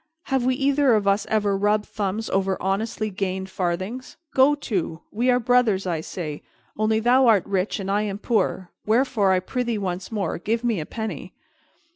Have we either of us ever rubbed thumbs over honestly gained farthings? Go to! We are brothers, I say; only thou art rich and I am poor; wherefore, I prythee once more, give me a penny."